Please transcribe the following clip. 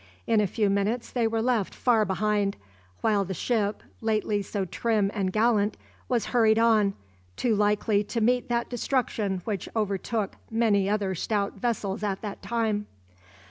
In a few minutes they were left far behind, while the ship, lately so trim and gallant, was hurried on, too likely to meet that destruction which overtook many other stout vessels at that time.